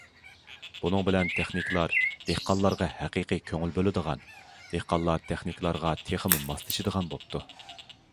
بۇنىڭ بىلەن تېخنىكلار دېھقانلارغا ھەقىقىي كۆڭۈل بۆلىدىغان، دېھقانلار تېخنىكلارغا تېخىمۇ ماسلىشىدىغان بوپتۇ.